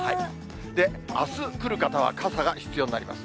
あす来る方は傘が必要になります。